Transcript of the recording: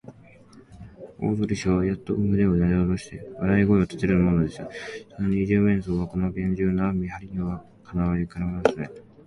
大鳥氏はやっと胸をなでおろして、笑い声をたてるのでした。さすがの二十面相も、このげんじゅうな見はりには、かなわなかったとみえますね。